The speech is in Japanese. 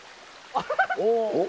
あっ！